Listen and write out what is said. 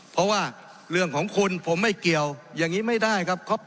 เพราะว่าเรื่องของคุณผมไม่เกี่ยวอย่างนี้ไม่ได้ครับ